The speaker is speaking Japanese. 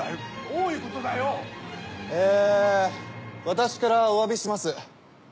私からお詫びします。